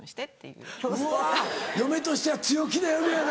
うわ嫁としては強気な嫁やな。